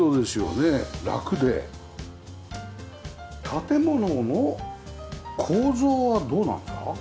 建物の構造はどうなんだ？